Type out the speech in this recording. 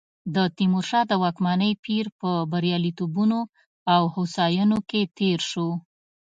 د تیمورشاه د واکمنۍ پیر په بریالیتوبونو او هوساینو کې تېر شو.